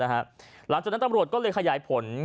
หลังจากนั้นตำรวจก็เลยขยายผล